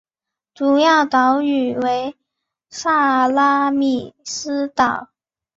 主要岛屿为萨拉米斯岛。